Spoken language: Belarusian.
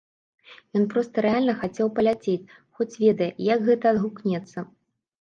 Ён проста рэальна хацеў паляцець, хоць ведае, як гэта адгукнецца.